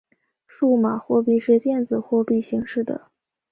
数码货币是电子货币形式的。